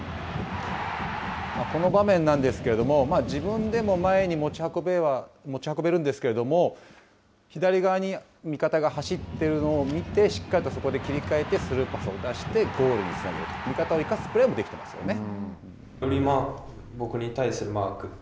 この場面なんですけれども、自分でも前に持ち運べるんですけれども、左側に味方が走っているのを見て、しっかりとそこで切り替えて、スルーパス出して、ゴールにつなげると、味方を生かすプレーもできていますよね。